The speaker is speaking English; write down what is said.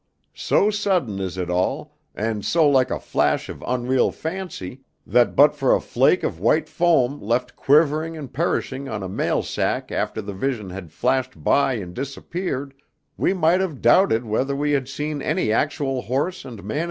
So sudden is it all, and so like a flash of unreal fancy, that but for a flake of white foam left quivering and perishing on a mail sack after the vision had flashed by and disappeared, we might have doubted whether we had seen any actual horse and man at all, maybe.